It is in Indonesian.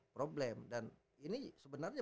problem dan ini sebenarnya